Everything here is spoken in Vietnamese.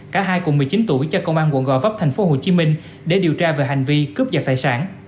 cả hai cùng một mươi chín tuổi cho công an quận gò vấp tp hcm để điều tra về hành vi cướp giật tài sản